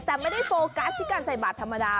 แต่ไม่ได้โฟกัสที่การใส่บาทธรรมดา